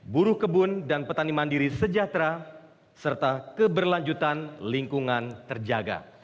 buruh kebun dan petani mandiri sejahtera serta keberlanjutan lingkungan terjaga